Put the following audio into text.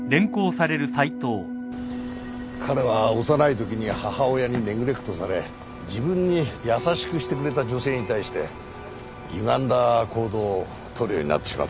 彼は幼いときに母親にネグレクトされ自分に優しくしてくれた女性に対してゆがんだ行動をとるようになってしまったらしい。